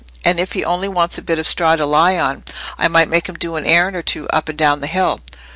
And if he only wants a bit of straw to lie on, I might make him do an errand or two up and down the hill.